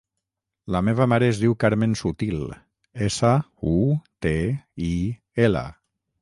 La meva mare es diu Carmen Sutil: essa, u, te, i, ela.